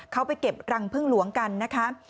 เขาไปเก็บรังพึ่งหลวงกันนะคะ